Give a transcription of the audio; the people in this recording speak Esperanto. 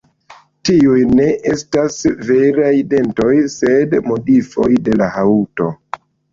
Tiuj ne estas veraj dentoj, sed modifoj de la haŭto.